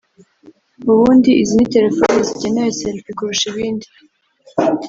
ubundi izi ni telefoni zigenewe selfie kurusha ibindi